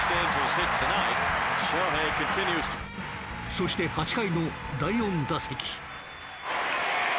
そして８回の第４打席。